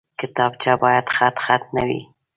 کتابچه باید خطخط نه وي